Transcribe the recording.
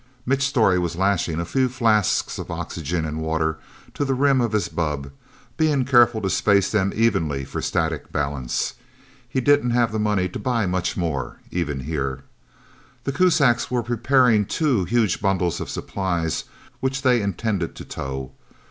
Mitch Storey was lashing a few flasks of oxygen and water to the rim of his bubb, being careful to space them evenly for static balance. He didn't have the money to buy much more, even here. The Kuzaks were preparing two huge bundles of supplies, which they intended to tow.